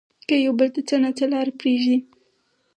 که يو بل ته څه نه څه لار پرېږدي